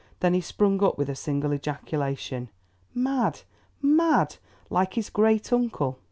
Then he sprung up with a single ejaculation, "Mad, mad! like his great uncle!"